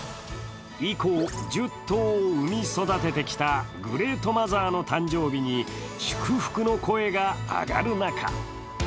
以降、１０頭を産み育ててきたグレートマザーの誕生日に祝福の声が上がる中